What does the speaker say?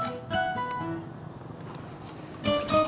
tati disuruh nyiram